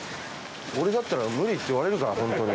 俺だったら無理って言われるから。